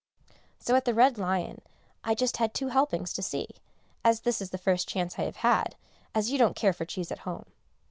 So at the "Red Lion" I just had two helpings to see, as this is the first chance I have had, as you don't care for cheese at home.